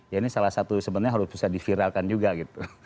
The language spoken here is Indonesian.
ya ini salah satu sebenarnya harus bisa diviralkan juga gitu